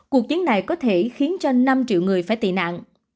cuộc chiến này có thể khiến cho năm triệu người phải tị nạn